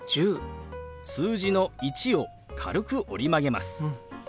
数字の「１」を軽く折り曲げます。